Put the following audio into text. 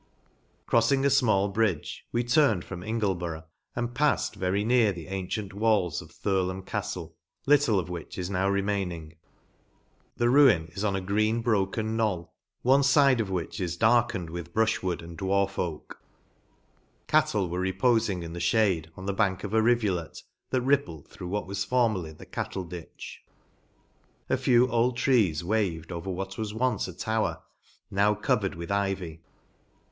Croffing a fmall bridge, we turned from Ingleborough, and paiTed very near the an tient walls of Thirlham Cattle, little of which is npw remaining. The ruin is on a green broken knoll, one fide of which is * Mrs. Barbauld. t P 4 darkened too ENGLAND. darkened with brufh wood and dwarf oak. Cattle were repofmg in the made, on the bank of a rivulet, that rippled through what was formerly the caftle ditch. A few old trees waved over what was once a tower, now covered with ivy.